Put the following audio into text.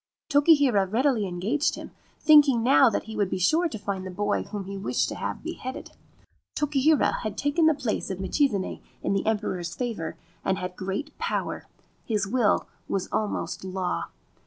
Tokihira readily engaged him, thinking that now he would be sure to find the boy whom he wished to have beheaded. Tokihira had taken the place of Michizane in the Emperor's favour, and had great power ; his will was almost law.